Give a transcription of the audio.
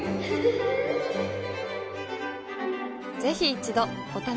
ぜひ一度お試しを。